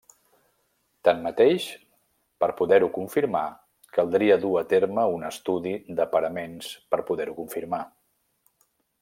Tanmateix, per poder-ho confirmar, caldria dur a terme un estudi de paraments per poder-ho confirmar.